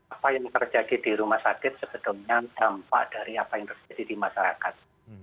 apa yang terjadi di rumah sakit sebetulnya dampak dari apa yang terjadi di masyarakat